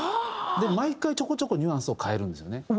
毎回ちょこちょこニュアンスを変えるんですよね。